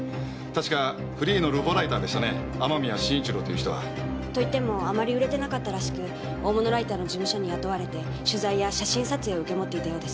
確かフリーのルポライターでしたね雨宮慎一郎という人は。といってもあまり売れていなかったらしく大物ライターの事務所に雇われて取材や写真撮影を受け持っていたようです。